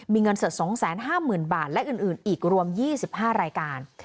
มีเงินสด๒๕๐๐๐บาทและอื่นอีกรวม๒๕รายการ